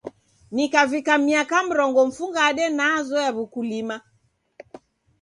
Nikavika miaka mrongo mfungade, nazoya w'ukulima.